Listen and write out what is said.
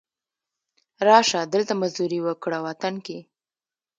را شه، دلته مزدوري وکړه وطن کې